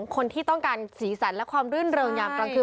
คนที่ต้องการสีสันและความรื่นเริงยามกลางคืน